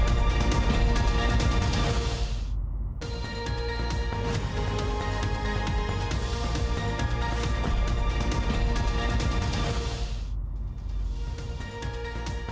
าเมนานทโตรธุรกิจ